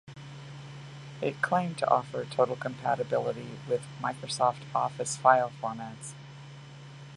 It claimed to offer total compatibility with Microsoft Office file formats.